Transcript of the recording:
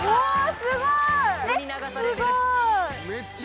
すごい！